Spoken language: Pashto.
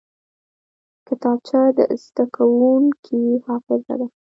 کتابچه د زده کوونکي حافظه ده